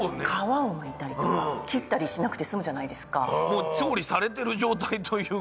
もう調理されてる状態というか。